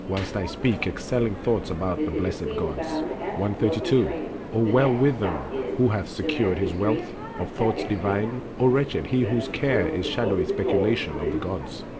—whilst I speak Excelling thoughts about the blessed gods. 132. O well with him who hath secured his wealth Of thoughts divine, O wretched he whose care Is shadowy speculation on the gods!